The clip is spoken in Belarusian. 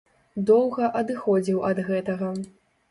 Доўга адыходзіў ад гэтага.